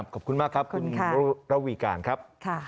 ขอบคุณมากครับคุณระวีการครับ